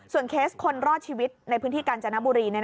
เคสคนรอดชีวิตในพื้นที่กาญจนบุรี